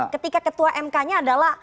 ketika ketua mk nya adalah